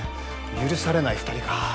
許されない２人か。